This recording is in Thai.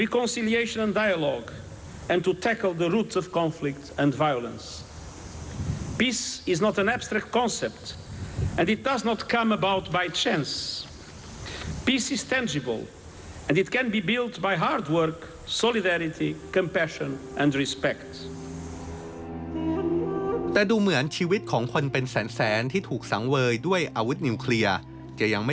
ความกลับรักและความรับ